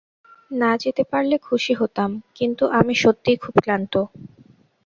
না, যেতে পারলে খুশি হতাম কিন্তু আমি সত্যিই খুব ক্লান্ত।